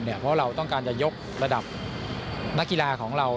เพราะเราต้องการจะยกระดับนักกีฬาของเรา